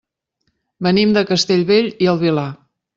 Venim de Castellbell i el Vilar.